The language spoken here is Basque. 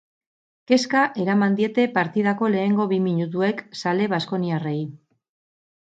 Kezka eraman diete partidako lehenengo bi minutuek zale baskoniarrei.